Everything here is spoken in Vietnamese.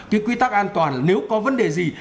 cái quy tắc an toàn là nếu có vấn đề gì